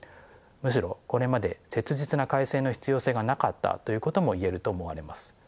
むしろこれまで切実な改正の必要性がなかったということも言えると思われます。